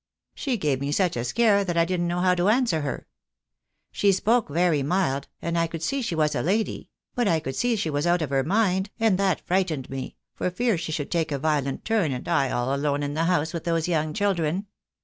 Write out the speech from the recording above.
She gave me such a scare that I didn't know how to answer her. She spoke very mild, and I could see that she was a lady; but I could see that she was out of her mind, and that frightened me, for fear she should take a violent turn, and I all alone in the house with those young children.